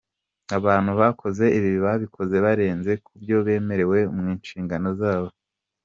"Abantu bakoze ibi babikoze barenze ku byo bemerewe mu nshingano zabo.